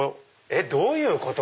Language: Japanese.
どういうこと？